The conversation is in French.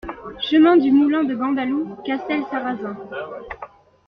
Chemin du Moulin de Gandalou, Castelsarrasin